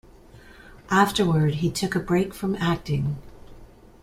Afterward, he took a break from acting.